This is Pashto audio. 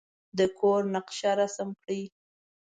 د کور نقشه رسم کړئ.